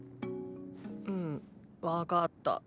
うんわかった。